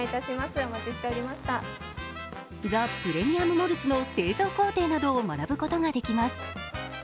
ザ・プレミアム・モルツの製造工程などを学ぶことができます。